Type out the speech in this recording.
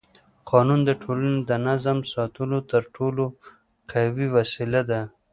قانون د ټولنې د نظم ساتلو تر ټولو قوي وسیله ده